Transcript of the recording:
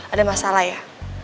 ada masalah ya